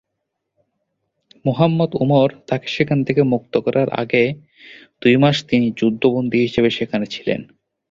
মুহাম্মদ ওমর তাকে সেখান থেকে মুক্ত করার আগে দুই মাস তিনি যুদ্ধ বন্দী হিসেবে সেখানে ছিলেন।